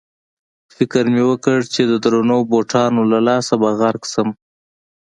فکر مې وکړ چې د درنو بوټانو له لاسه به غرق شم.